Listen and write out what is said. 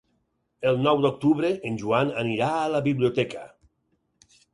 El nou d'octubre en Joan anirà a la biblioteca.